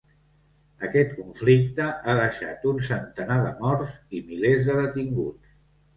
Aquest conflicte ha deixat un centenar de morts i milers de detinguts.